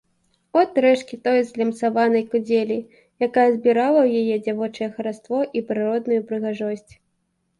От рэшткі той злямцаванай кудзелі, якая адбірала ў яе дзявочае хараство і прыродную прыгажосць.